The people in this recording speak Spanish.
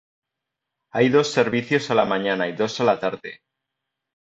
Hay dos servicios a la mañana y dos a la tarde.